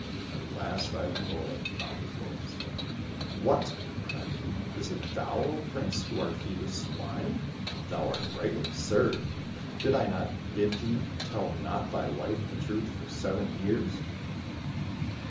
At last Ivan Golik found his voice :" What !" cried he. "Is it thou, O prince, who art feeding swine ? Thou art rightly served ! Did I not bid thee, ' Tell not thy wife the truth for seven years